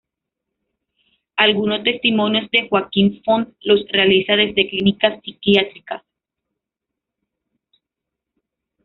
Algunos testimonios de Joaquín Font los realiza desde clínicas psiquiátricas.